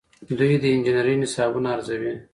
دوی د انجنیری نصابونه ارزوي.